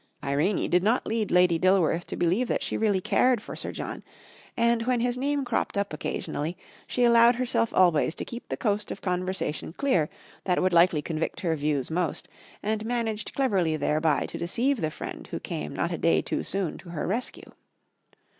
Irene did not lead Lady Dilworth to believe that she really cared for Sir John, and, when his name cropped up occasionally, she allowed herself always to keep the coast of conversation clear that would likely convict her views most, and managed cleverly thereby to deceive the friend who came not a day too soon to her rescue.